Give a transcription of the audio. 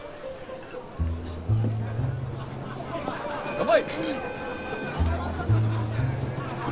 乾杯！